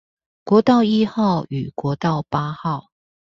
國道一號與國道八號